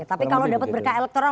tapi kalau dapat berkah elektoral